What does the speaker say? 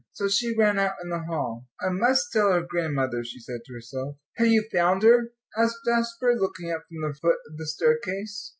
So she ran out in the hall. "I must tell her grandmother," she said to herself. "Have you found her?" asked Jasper, looking up from the foot of the staircase.